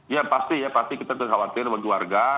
ya pasti ya pasti kita tidak khawatir